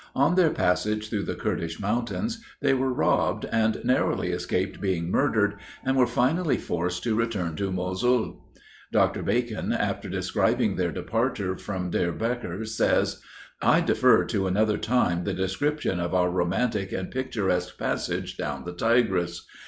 On their passage through the Kurdish mountains, they were robbed, and narrowly escaped being murdered, and were finally forced to return to Mosul. Dr. Bacon, after describing their departure from Diarbekr, says: "I defer to another time the description of our romantic and picturesque passage down the Tigris.